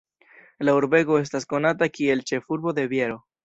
La urbego estas konata kiel "Ĉefurbo de biero".